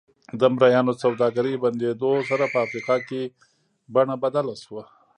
د مریانو سوداګرۍ بندېدو سره په افریقا کې بڼه بدله شوه.